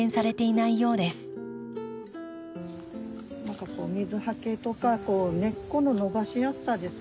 何かこう水はけとか根っこの伸ばしやすさですね。